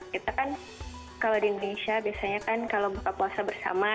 kita kan kalau di indonesia biasanya kan kalau buka puasa bersama